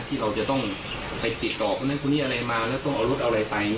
ที่เราจะต้องไปติดต่อคนนั้นคนนี้อะไรมาแล้วต้องเอารถเอาอะไรไป